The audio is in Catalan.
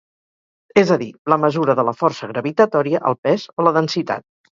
És a dir, la mesura de la força gravitatòria, el pes o la densitat.